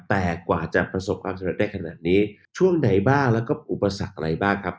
แต่กว่าจะประสบความสำเร็จได้ขนาดนี้ช่วงไหนบ้างแล้วก็อุปสรรคอะไรบ้างครับ